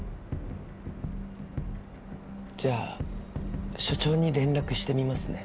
じゃあ署長に連絡してみますね。